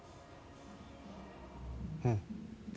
うん。